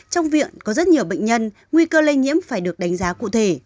trong viện có rất nhiều bệnh nhân nguy cơ lây nhiễm phải được đánh giá cụ thể